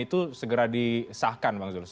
itu segera disahkan bang zul